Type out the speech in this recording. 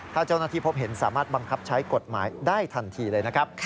ถ้าเจ้าหน้าที่พบเห็นสามารถบังคับใช้กฎหมายได้ทันทีเลยนะครับ